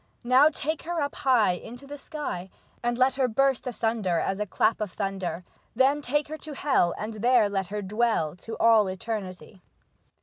Now take her up high into the sky, And let her burst asunder as a clap of thunder^ Then take her to hell and there let her dwell, To all eternity."